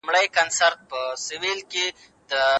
شاه د بې وزلو خلکو حقونه خوندي کړل.